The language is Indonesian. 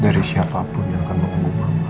dari siapapun yang akan menghubungi mama